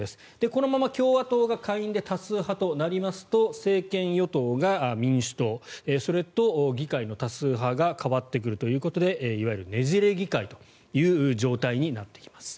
このまま共和党が下院で多数派となりますと政権与党が民主党それと議会の多数派が変わってくるということでいわゆるねじれ議会という状態になってきます。